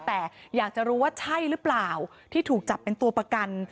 แต่อยากจะรู้ว่าใช่หรือเปล่าที่ถูกจับเป็นตัวประกัน